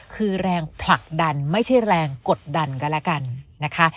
คือแรงผลักดันไม่ใช่แรงกดดันก็แล้วกันนะคะ